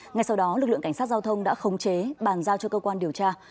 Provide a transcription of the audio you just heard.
ngay sau đó lực lượng cảnh sát giao thông đã khống chế bàn giao cho cơ quan điều tra